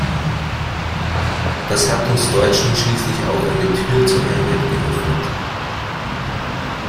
Das hat uns Deutschen schließlich auch eine Tür zur Einheit geöffnet.